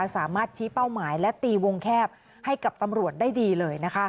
สามารถชี้เป้าหมายและตีวงแคบให้กับตำรวจได้ดีเลย